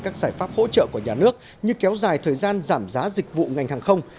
các giải pháp hỗ trợ của nhà nước như kéo dài thời gian giảm giá dịch vụ ngành hàng không